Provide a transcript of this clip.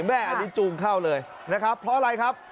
แม่อันนี้จูงเข้าเลยนะครับเพราะอะไรครับ